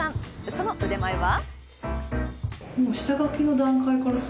その腕前は。